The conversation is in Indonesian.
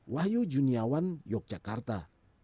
wahyu juniawan yogyakarta